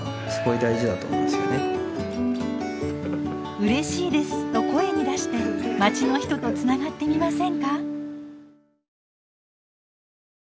「うれしいです」と声に出してまちの人とつながってみませんか？